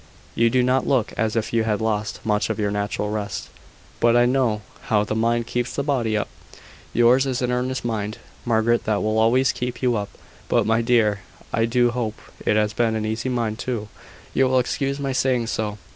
You do not look as if you had lost much of your natural rest: but I know how the mind keeps the body up. Yours is an earnest mind, Margaret, that will always keep you up: but, my dear, I do hope it has been an easy mind too. You will excuse my saying so."